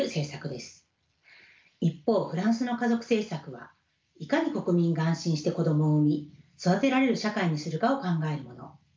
一方フランスの家族政策はいかに国民が安心して子どもを産み育てられる社会にするかを考えるもの。